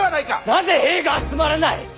なぜ兵が集まらない！